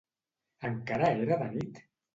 Encara era de nit?